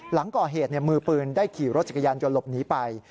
หลังก่อเหตุมือปืนได้ขี่รถจักรยานยนต์หลบหนีไป